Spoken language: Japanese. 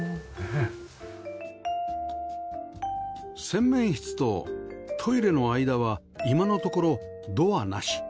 洗面室とトイレの間は今のところドアなし